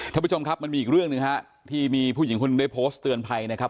ท่านผู้ชมครับมันมีอีกเรื่องหนึ่งฮะที่มีผู้หญิงคนหนึ่งได้โพสต์เตือนภัยนะครับ